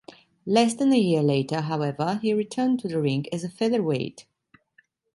Less than a year later, however, he returned to the ring as a featherweight.